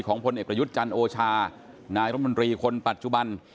พลเอกประยุทธ์จันทร์โอชานายรมนตรีคนปัจจุบัน